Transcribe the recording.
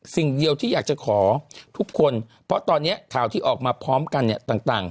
สิ่งเดียวที่อยากจะขอทุกคนเพราะตอนนี้ข่าวที่ออกมาพร้อมกันเนี่ยต่าง